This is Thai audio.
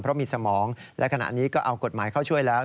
เพราะมีสมองและขณะนี้ก็เอากฎหมายเข้าช่วยแล้ว